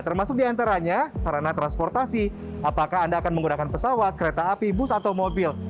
termasuk diantaranya sarana transportasi apakah anda akan menggunakan pesawat kereta api bus atau mobil